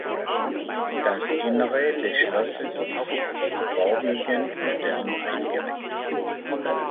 Das Innere des Schlosses ist vorwiegend modern eingerichtet.